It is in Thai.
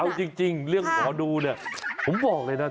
เอาจริงเรื่องหมอดูเนี่ย